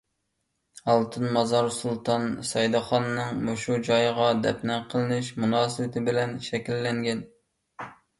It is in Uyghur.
ئالتۇن مازار سۇلتان سەئىدخاننىڭ مۇشۇ جايغا دەپنە قىلىنىش مۇناسىۋىتى بىلەن شەكىللەنگەن.